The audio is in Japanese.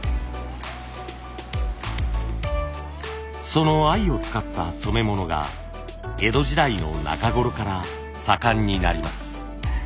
その藍を使った染め物が江戸時代の中頃から盛んになります。